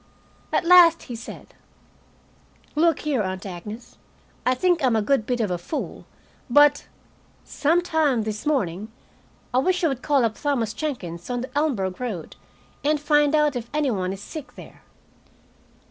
At last he said: "Look here, Aunt Agnes, I think I'm a good bit of a fool, but some time this morning I wish you would call up Thomas Jenkins, on the Elmburg road, and find out if any one is sick there."